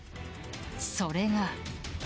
それが。